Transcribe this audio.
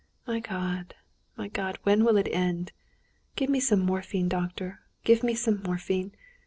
"My God, my God! when will it end? Give me some morphine. Doctor, give me some morphine!